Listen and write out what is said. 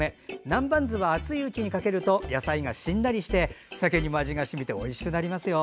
南蛮酢は熱いうちにかけると野菜がしんなりしてさけにも味が染みておいしくなりますよ。